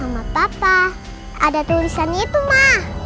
masih enak ya